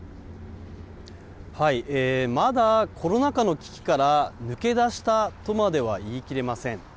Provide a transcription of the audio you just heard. まだコロナ禍の危機から抜け出したとまでは言い切れません。